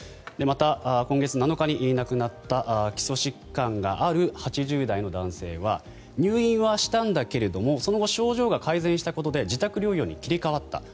また今月７日に亡くなった基礎疾患がある８０代の男性は入院はしたんだけれどもその後、症状が改善したことで自宅療養に切り替わった。